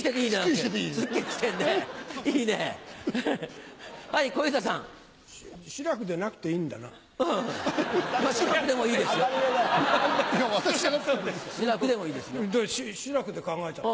じゃあ「しらく」で考えちゃった。